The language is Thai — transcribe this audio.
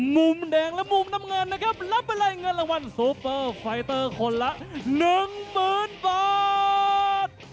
มุมแดงและมุมน้ำเงินนะครับรับไปเลยเงินรางวัลซูเปอร์ไฟเตอร์คนละ๑๐๐๐บาท